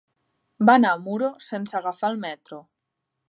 Va anar a Muro sense agafar el metro.